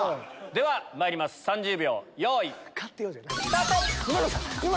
ではまいります３０秒よい。